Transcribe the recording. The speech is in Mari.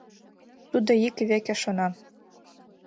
Тудо ик веке шона.